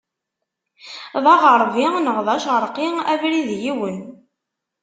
D aɣeṛbi neɣ d aceṛqi, abrid yiwen.